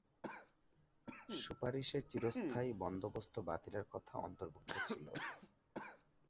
সুপারিশে চিরস্থায়ী বন্দোবস্ত বাতিলের কথা অন্তর্ভুক্ত ছিল।